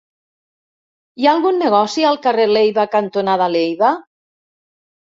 Hi ha algun negoci al carrer Leiva cantonada Leiva?